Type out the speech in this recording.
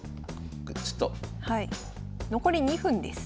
残り２分です。